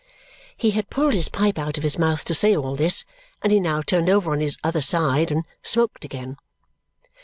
He had pulled his pipe out of his mouth to say all this, and he now turned over on his other side and smoked again.